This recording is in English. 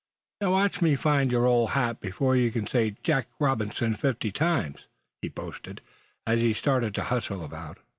"Now watch me find your old hat before you can say Jack Robinson fifty times," he boasted, as he started to hustle about.